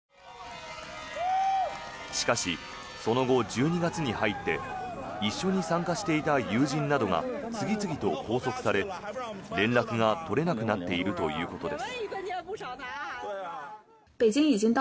しかし、その後１２月に入って一緒に参加していた友人などが次々と拘束され連絡が取れなくなっているということです。